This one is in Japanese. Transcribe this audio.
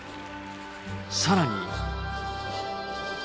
さらに。